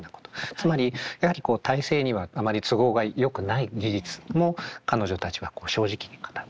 つまりやはりこう体制にはあまり都合がよくない事実も彼女たちは正直に語った。